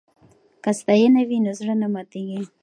که ستاینه وي نو زړه نه ماتیږي.